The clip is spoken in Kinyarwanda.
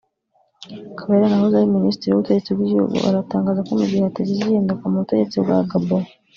akaba yaranahoze ari Minisitiri w’Ubutegetsi bw’igihugu aratangaza ko mu gihe hatagize igihinduka mu butegetsi bwa Gabon